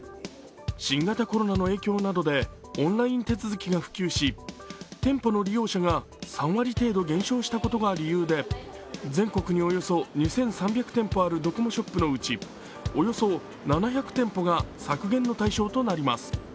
新型コロナの影響などでオンライン手続きが普及し店舗の利用者が３割程度減少したことが理由で全国におよそ２３００店舗あるドコモショップのうちおよそ７００店舗が削減の対象となります。